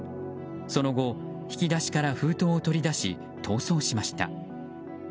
その後引き出しから封筒を取り出し逃走しました。